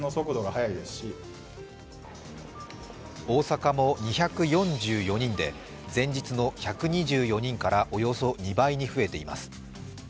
大阪も２４４人で前日の１２４人からおよそ２倍に増えています。